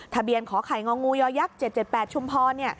ทะเบียนขอไข่งองงูยอยักษ์๗๗๘ชุมพร